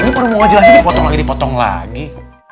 ini baru mau jelasin dipotong lagi dipotong lagi